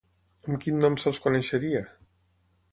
Amb quin nom se'ls coneixeria?